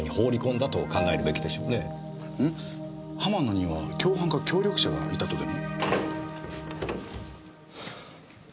浜野には共犯か協力者がいたとでも？